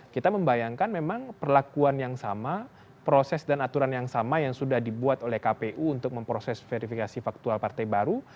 kita membayangkan memang perlakuan yang sama proses dan aturan yang sama yang sudah dibuat oleh kpu untuk memproses verifikasi faktual partai baru